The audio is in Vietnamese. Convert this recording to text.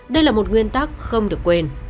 đây là một nguyên tắc không được quên